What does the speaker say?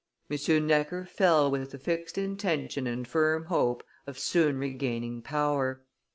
M. Necker fell with the fixed intention and firm hope of soon regaining power.